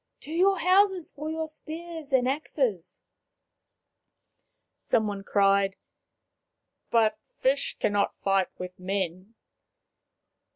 To your houses for your spears and axes !" Some one cried, " But fish cannot fight with men."